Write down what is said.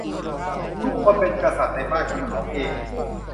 ทุกคนเป็นกษัตริย์ในบ้านของเขาเอง